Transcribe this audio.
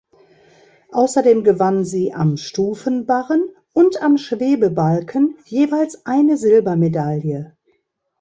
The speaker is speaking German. Außerdem gewann sie am Stufenbarren und am Schwebebalken jeweils eine Silbermedaille.